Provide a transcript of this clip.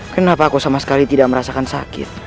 kenapa aku sama sekali tidak merasakan sakit